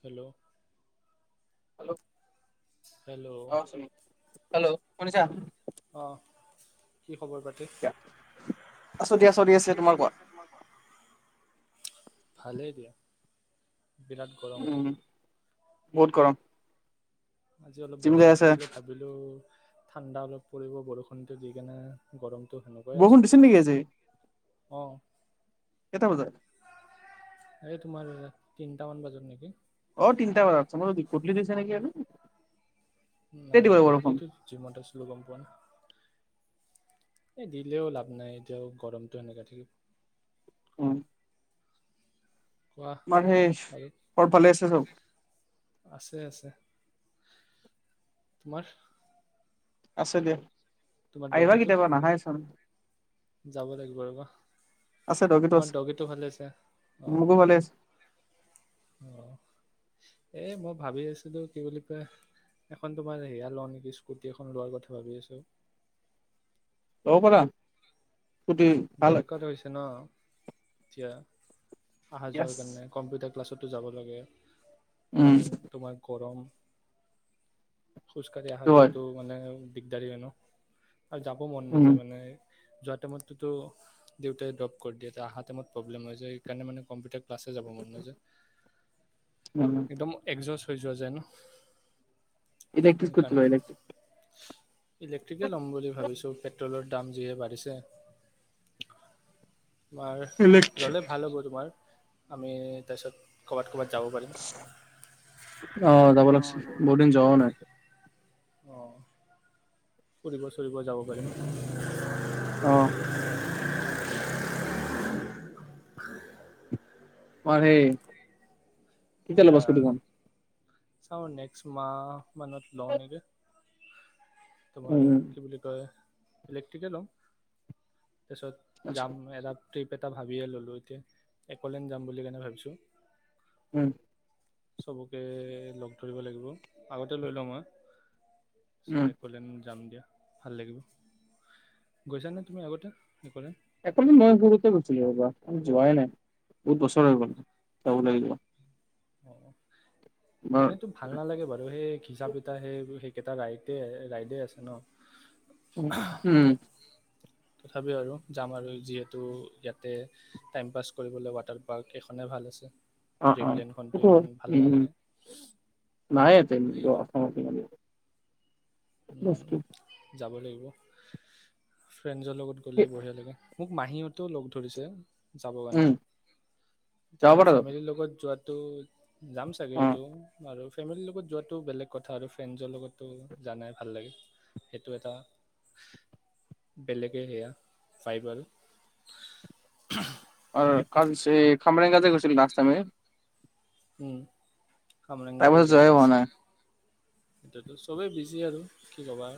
Hello hello অ' hello hello শুনিছা? অ' কি খবৰ পাতি? আছো দিয়া চলি আছে তোমাৰ কোৱা? ভালেই দিয়া। বিৰাট গৰম। উম বহুত গৰম আজি অলপ জিম যাই বৰষুণটো আছে দিলে ভাবিলো ঠাণ্ডা অলপ পৰিব বৰষুণতে দি কিনে গৰম টো সেনেকাই আছ বৰষুণ দিছিল নেকি আজি অ' কেইটা বজাত? এই তোমাৰ দ তিনটামান বাজাত নেকি! অ' তিনিটা বজাতছে মই গধূলি দিছে নেকি আৰু তেতিয়া নাই- দিব নাই বৰষুণ গধূিলেতো জিমত আছিল গম পোৱা নাই। এ দিলেও লাভ নাই এতিয়াও গৰমতটো সেনেকা থাকিব। হয়। কোৱা তোমাৰ সেই আৰু ঘৰ ভালে আছে চব আছে আছে তোমাৰ আছে দিয়া তোমাৰ আহিবা ডগীটো কেতিয়াবা নাহাইচোন যাব লাগিব ৰবা আছে আছে। তোমাৰ ডগীটো ভালে আছে অ মোকো ভালে আছে অ এ মই ভাবি আছিলো কি বুলি কয় এখন তোমাৰ হেয়া লওঁ নেকি স্কুটি এখন লোৱাৰ কথা ভাবি আছো লব পাৰা স্কুটি ভাল হয় দৰকাৰ হৈছে ন এতিয়া অহা‌ য়েছ। যোৱাৰ কাৰণে কম্পিউটাৰ ক্লাছতো যাব লাগে। উম মান তোমাৰ গৰম খোজ কাঢ়ি অহা সেইটো হয় যোৱাাতো মানে দিগদাৰি হয় ন আৰু যাব মন উম নাযায় মানে এ যোৱা টাইমত সেইতোতো দেউতাই দপ কৰি দিয়ে অহা টাইমত প্ৰব্লেম হৈ যায় এইকাৰণে মানে কম্পিউটাৰ ক্লাছে যাব ম নাযোৱা একদম একজাষ্ট্ৰ থৈ যোৱা জনো এতিয়া ইকলক্তিছ কত যোৱা এলাইচি ইলেক্ট্ৰিকে ল'ম বুলি ভাবিছোঁ পেট্ৰলৰ দাম যিহে বাঢ়িছে তোমাৰ ইলেক্ট্ৰিক ল'লে ভাল হ'ব তোমাৰ আমি তাৰপিছত ক'বাত ক'বাত আহ যাব লাগিছিল বহুত দিন যোৱাও নাই অ ফুৰিব চুৰিব যাব পাৰিম অহ মাৰেই কেতিয়া লবা স্কুটিখন চাও নেক্স মাহ মানত লও নেকি উম তোমাৰ উম কি বুলি কয় ইলেক্ট্ৰিকে লম তাৰপিছত আচ্ছা যাম [unintelligible] এটা ট্ৰিপ এটা ভাবিয়ে ল'লোঁ এতিয়া একলেন যাম বুলি কেনে ভাবিছোঁ উম চবকে লগ ধৰিব লাগিব আগতে লৈ লওঁ উম, মই এক'লেণ্ড যাম দিয়া ভাল লাগিব গৈছানে তুমি আগতে এক'লেণ্ড এক'লেণ্ড মই সৰুতে গৈছিলো ৰবা আৰু যোৱাই নাই বহুত বছৰ হৈ গল যাব লাগিব অ [inaudible] তোমাৰ এনেইতো ভাল নালাগে বাৰু সেই ঘিচা পিতা সেই একেটা ৰাইতে ৰাইডে আছে ন উম তথাপি আৰু যাম আৰু যিহেতু ইয়াতে টাইম পাছ কৰিবলৈ ৱাটাৰ পাৰ্ক এখনে ভাল আছে অ', ড্ৰিমলেণ্ডখন [unintelligible] উম নাই [unintelligible] সেইটো কাৰণে [unintelligible] বছ উম, ঠিক [unintelligible] যাব লাগিব ফ্ৰেণ্ডজৰ লগত গ'লে কি- বঢ়িয়া লাগে মোক মাহী হতেঁও লগ ধৰিছে যাব কাৰণে উম, যাব এতিয়া পাৰা যাব। ফেমিলিৰ লগত যোৱাত ত যাম চাগে অ'। এইটো আৰু ফেমিলিৰ লগত যোৱা টো বেলেগ কথা আৰু ফ্ৰেণ্ডছৰ লগত টো জানাই ভাল লাগে সেইটো এটা বেলেগে সেয়া পাই বাৰু কালছে খামাৰং গ যে গৈছিল লাষ্ট টাইমে হম তাৰ কমৰংগাতে পাছত যোৱাই জলাছ হোৱা নাই, সেটোয়েটো চবেই বিজি আৰু কি কবা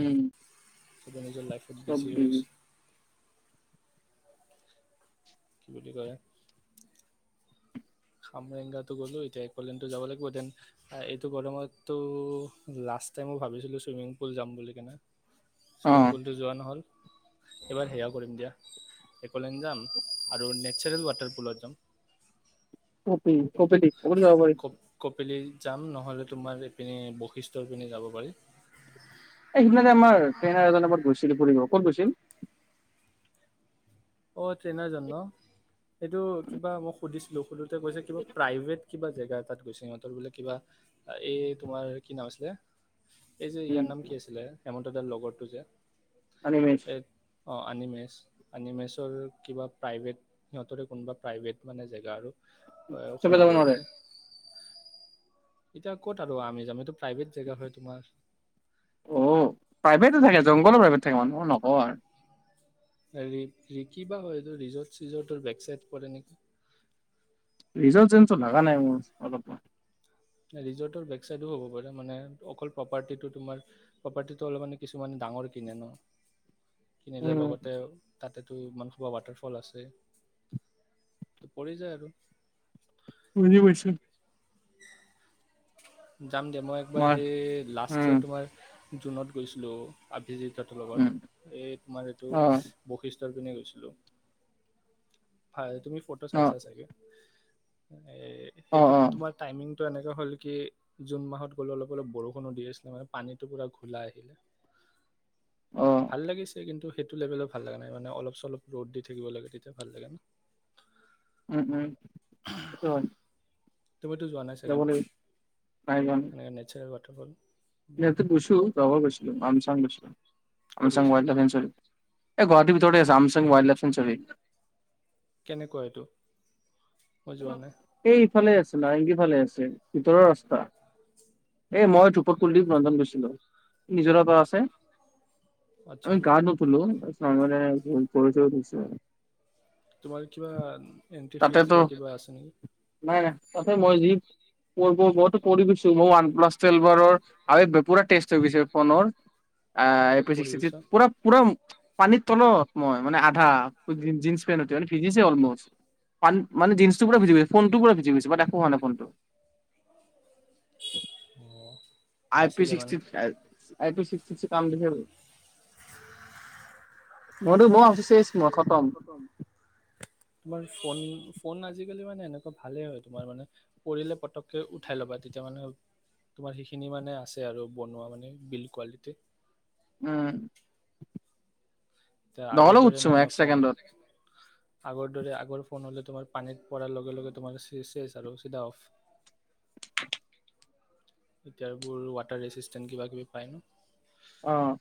উম। নিজৰ লাইফত বিজি হৈছে। কি বুলি কয়? খামৰেংগাটো গ'লো এতিয়া একলেন্দটো যাব লাগিব দেন এইটো গৰমতো লাষ্ট টাইমো ভাবিছিলো চুইমিং পুল যাম বুলি কেনে ছুইমিং অ', পুলটো যোৱা নহ'ল এইবাৰ সেয়া কৰিম দিয়া একলেনদ যাম আৰু নেচাৰেল ৱাটাৰপুলত যাম উম কঁপে তি ক কপিলি। যাম নহ'লে তোমাৰ এইপিনে বৈশিষ্ঠৰ পিনে যাব পাৰি এই সিদিনাে আমাৰ ট্ৰেইনাৰ এজন গৈছে। কত গৈছিল? অ ট্ৰেইনাৰ জন ন সেইটো কিবা মই সুধিছিলো সুধ কৈছে কিবা প্ৰাইভেট কিবা জেগা তাত গৈছে সিহঁতৰ বোলে কিবা এই তোমাৰ কি নাম আছিলে এইজে উম, ইয়াৰ নাম কি আছিলে হেমন্ত দাদাৰ লগতটো যে। আনিমেছ অ আনিমেছ আনিমেছ। সিহঁতৰ কিবা প্ৰাইভেট সিহঁতৰে কোনোবা প্ৰাইভেট মানে জেগা আৰু চবে যাব সোণাপুৰৰ নোৱাৰে, পিনে। এতিয়া ক'ত আৰু আমি যাম? এইটো প্ৰাইভেট জেগা হয় তোমাৰ অহ। প্ৰাইভেটে থাকে, জংঘলৰ প্ৰাইভেট থাকে মানুহৰ নহয় আৰু হেৰি কি বা হয় এইটো ৰিজৰ্ট চিজৰ্টৰ বেক চাইট পৰে নেকি? ৰিজৰ্ট চিজৰ্ট যেন লগা নাই মোৰ অলপমান। ৰিজৰ্টৰ বেকচাইডো হ'ব পাৰে মানে অকল প্ৰপাৰ্টিটো তোমাৰ প্ৰপাৰ্টিটো অলপ মানে কিছুমানে ডাঙৰ কিনে ন! কিনিলে উম, লগতে আৰু তাতেতো ইমান সোপা ৱাটাৰফল আছে ত পৰি যায় আৰু বুজি পাইছো যাম দে মই একবাৰ এই লাষ্ট উম, ইয়েৰ তোমাৰ জুনত গৈছিলোঁ। আত ভিজিটৰতো উম, লগত, এই তোমাৰ এইটো অ', বৈশিষ্ট ষ্টৰ পিনে গৈছিলোঁ। হয় তুমি ফ'টো অ', চাইছা চাগে এ অ', সেইটোত অ', তোমাৰ টাইমিং টো এনেকা হ'ল কি জুন মাহত গ'লো অলপ অলপ বৰষুণো দি আছিলে মানে পানীটো পুৰা ঘোলা আহিলে অ', ভাল লাগিছে কিন্তু সেইটো লেভেলত ভাল লগা নাই মানে অলপ চলপ ৰ'দ দি থাকিব লাগে তেতিয়া ভাল লাগে ন উম উম সেইটো হয় তুমিতো যোৱা নাই চাগে যাব ন লাগিব সেনেকে নেচাৰেল ৱাটাৰ ফুটবল মে ইয়াতে বচু বাবা বইচল আম চান বছিলিলো ক'ত আমচং গৈছিলা ৱাইল্ড লাইফ চেনচুৰী এই গুৱাহাটীৰ ভিতৰতে আছে আমচং ৱাইল্ড লাইফ চেনচুৰী কেনেকুৱা এইটো মই যোৱা নাই এই ইফালে আছে। নাৰেংগীৰ ফালে আছে ভিতৰৰ ৰাস্তা এ মই ধূপত কুলদ্বীপ ৰঞ্জন গৈছিলো নিজৰা পাৰ আছে। আচ্ছা আমি গা নুধুলু [inaudible] তোমাৰ কিবা এন্ট্ৰি তাতে ফিজ তো বা কিবা আছে নেকি? নাই নাই তাতে মই যি পৰিব পৰি গৈছো প্লাছ টেম্পাৰৰ আৰু পুৰা টেষ্ট হৈ গৈছে ফোনৰ ক'ত এপি চিংচটি পঢ়িছা থ্ৰি পুৰা পুৰা পানীৰ তলত মই মানে আধা জিন্চ পেণ্টটো সতি মানে ভিজিছে অলমষ্টান মানে জিনন্টো পুৰা ভিজি গৈছে ফোনটো পুৰা ভিজি গৈছে বাট একো হোৱা নাই ফোনটো অঁ বাচিলে আইপিছিক্সটি মানে আইপিছিক্সটি কাম দিছে মইতো বৰ অপশেচ মথতম তোমাৰ [inaudible] ফোন ফোন আজিকালি মানে এনেকুৱা ভালেই হয় তোমাৰ মানে পৰিলে পতককৈ উঠাই ল'বা তেতিয়া মানে তোমাৰ সেইখিনি মানে আছে আৰু বনোৱা মানে বিল্ড কোৱালিটি উ'ম দহলে আগৰ দৰে উঠছো নাই মই ন এক ফোন ছেকেণ্ডত আগৰ দৰে আগৰ ফোন হ'লে তোমাৰ পানীত পৰাৰ লগে লগে তোমাৰ চেচ আৰু চিধা অফ এতিয়াৰোৰ ৱাটাৰ ৰেচিষ্টেন কিবা কিবি পায় অ',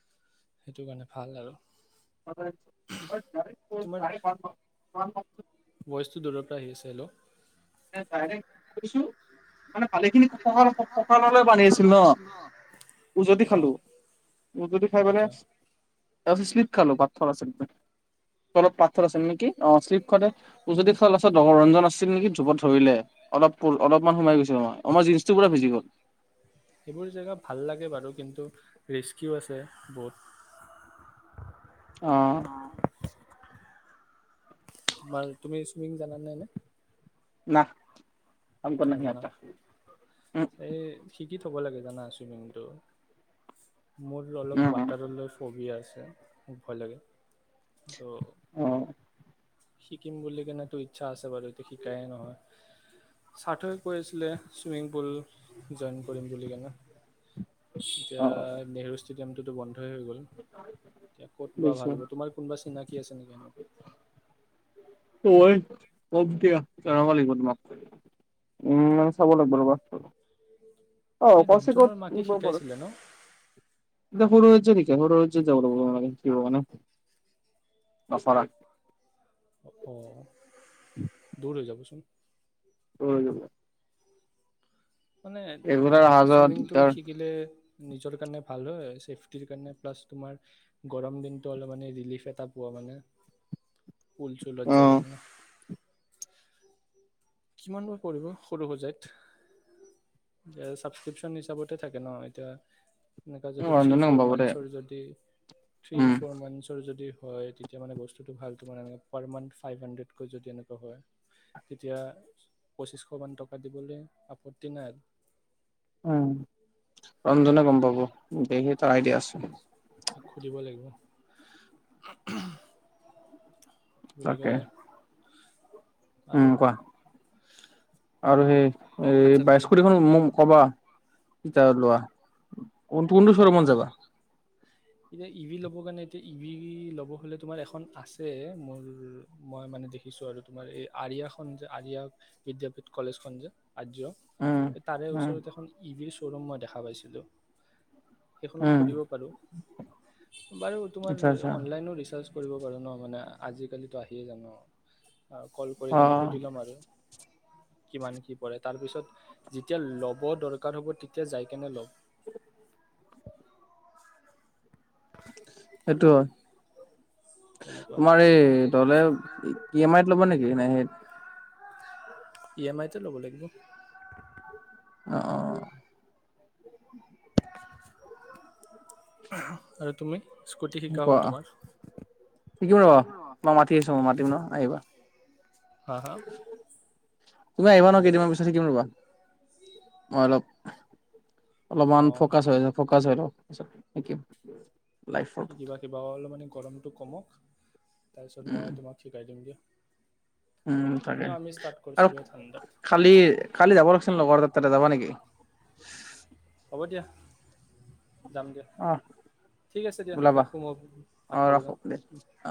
সেইটো কাৰণে ভাল আৰু চ তোমাৰ [unintelligible] [unintelligible] ভইচটো দূৰৰ পৰা আহি আছে হেল্ল' তাই কৈছো মানে শালিখিনিকলৈ [unintelligible] পানী আছিল ন উজুতি অ খালোঁ উজুতি খাই পেলাই আচ্ছা ভৰি স্লিপ খালো পাথৰ আছিল তলত পাথৰ আছিল নেকি অঁ চিল্লিপ খাওতে উজুতি খাওঁতে ৰঞ্জন আছিল নেকি জোপত ধৰিলে অলপ অলপমান সোমাই গৈছিলই আমাৰ জিনৰ্চ পুৰা ভিজি গ'ল সেইবোৰ জেগাত ভাল লাগে বাৰু কিন্তু ৰিস্কিও আছে বহুত অঁহ তোমাৰ তুমি চুইমিং জানা নাই ন নাহ সাম কৌ নাহি আটা উম এই শিকি থ'ব লাগে জানা চুইমিংটো মোৰ অলপ উম ৱাটাৰ লৈ ফৰ্বিয়া আছে খুব ভয় লাগে উম ত শিকিম বুলি কিনে টো ইচ্ছা আছে বাৰু শিকায়েই নহয় ছাথয়েও কৈ কৰিছিলে ছুইমিং পুল জইন কৰিম বুলি কেনে অ অ এতিয়া নেহেৰু গেমটো টো বন্ধ হেৰি হৈ গ'ল ক'ত লোৱা বুজিছো ভাল হ'ব তোমাৰ কোনবা ন [unintelligible] কি আছে নেকি এনেকুৱা [unintelligible] দিয়া জনাব লাগিব তোমাক উম চাব লাগিব ৰ'বা অ অঁ এই কছে কত ৰঞ্জনৰ মাকে শিকাইছিলে ন দেখোন [unintelligible] কে স যাব ল কিহৰ কাৰণে অঁফাৰা [unintelligible] অঁ দূৰ হৈ যাব [inaudible] [inaudible] অঁ [inaudible] মানে অহা যোৱা চুইমিংটো দিগদাৰ শিকিলে নিজৰ কাৰণে ভাল হয় ছেফটিৰ কাৰণে প্লাছ তোমাৰ গৰম দিনটো অলপ মানে ৰিলিফ এটা পোৱা মানে পুল অ চুলত যাই কিনে কিমানবোৰ পৰিব সৰু সুজাইত ছাবস্ক্ৰিপশ্যন হিচাপতে থাকে ন এতিয়া এনেকুৱা যদি থ্ৰী ৰঞ্জনে গম ফ'ৰ পাব দে মানছৰ যদি থ্ৰী উম ফ'ৰ মানছৰ যদি হয় তেতিয়া মানে বস্তুটো ভালটো মানে পাৰ মান্থ ফাইভ হাণ্ড্ৰেডকৈ যদি এনেকুৱা হয় তেতিয়া পঁচিছশমান টকা দিবলৈ আপত্তি নাই উম ৰন্জনে গম পাব কৰাই দিয়াচোন ঘুৰিব [unintelligible] কি বুলি তাকে কয় আৰু উম কোৱা আৰু সেই ভাত এই চাত বাই খালা স্কুটি খন মোক নকবা কিতাপ ওলোৱা কোন কোনটো অ অ শ্বৰোমত যাবা এতিয়া ই ভ ল'বৰ কাৰণে এতিয়া ই ভ ল'ব হলে তোমাৰ এখন আছে মোৰ মই মানে দেখিছো আৰু তোমাৰ এই আৰিয়াখন যে আৰিয়া বিদ্যাপীঠ কলেজখন যে আৰ্য উম তাৰে উম ওচৰত এখন ঈদ [unintelligible] শ্বৰোম মই দেখা পাইছিলোঁ সেইখনতো উম কৰিব পাৰো বাৰু তোমাৰ আচ্ছা আচ্ছা অনলাইনৰ ৰিচাৰ্জটো কৰিব পাৰোঁ ন মানে আজিকালিতো আহিয়ে যাব কল কৰি অ কেনে সুধি লম আৰু কিমান কি পৰে তাৰপিছত যেতিয়া ল'ব দৰকাৰ হ'ব তেতিয়া যাই কেনে ল'ম [inaudible] সেইটো হয় তেনেকুৱা তোমাৰ এই তলে ই এম আইত ল'বা নেকি ন সেইত ই এম আইটে ল'বলে লাগিব অ অ আৰু তুমি স্কুটি শিকা কোৱা হ'ল তোমাৰ শিকিম ৰব মই মাতি আছো মই মাতিম ন আহিবা হা হা অ [inaudible] তুমি আহিবা ন হেল্ল' কেইদিনমান পিছত শিকিম ৰ'বা মই অলপ অলপমান অঁ ফকাচ হৈ য ফকাচ হৈ লওক থেংকিউ কিবা কিবা অলপ মানে গৰমটো কমক তাৰপিছত উম মই তোমাক শিকাই দিম দেই উম তাকে আৰু কৰিছিলোঁ এই ঠাণ্ডাত খালি খালি যাব লাগিছিল লগৰ ত তাতে যাবা নেকি হ'ব দিয়া যাম দিয়া অ ঠিক আছে দিয়া ওলাবা ৰাখোঁ মই ভাত অ খাব ৰাখো যাওঁ দে অ।